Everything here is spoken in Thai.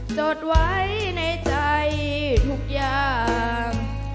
จดไว้ในใจทุกอย่าง